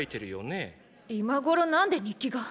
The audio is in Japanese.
今ごろ何で日記が？